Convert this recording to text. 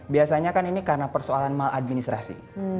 biasanya kan ini karena persoalan maladministrasi